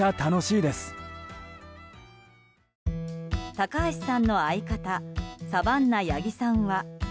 高橋さんの相方サバンナ八木さんは。